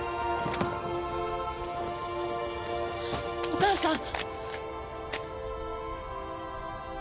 お母さん！